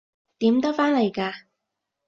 點得返嚟㗎？